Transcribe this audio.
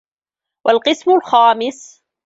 وَالْقِسْمُ الْخَامِسُ